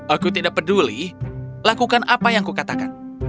aku tidak peduli lakukan apa yang kukatakan